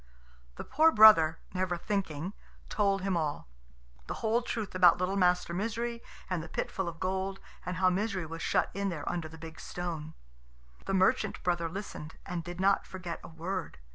The poor brother, never thinking, told him all the whole truth about little Master Misery and the pit full of gold, and how Misery was shut in there under the big stone. The merchant brother listened, and did not forget a word.